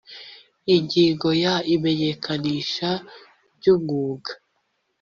ingingo ya imenyekanisha ry umwuga